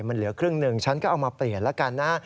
มันเหลือครึ่งหนึ่งฉันก็เอามาเปลี่ยนแล้วกันนะ